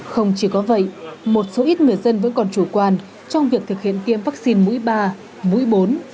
không chỉ có vậy một số ít người dân vẫn còn chủ quan trong việc thực hiện tiêm vaccine mũi ba mũi bốn